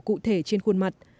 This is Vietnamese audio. cụ thể trên khuôn mặt